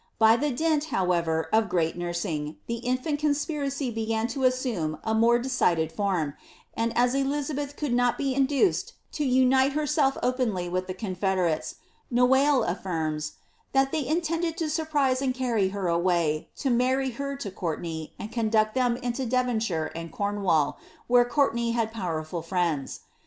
By the dint, however, of great nursing, the infant conspiracy began to assume a more decided form, and as Elizabeth could not be induced to unite herself openly with the confederates, Noailles affirms ^' that they intended to surprise and carry her away, to marry her to Courtenay, and conduct them into Devonshire and Cornwall, where Courtenay had powerful friends."